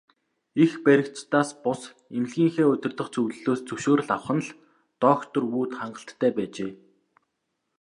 Эрх баригчдаас бус, эмнэлгийнхээ удирдах зөвлөлөөс зөвшөөрөл авах нь л доктор Вүд хангалттай байжээ.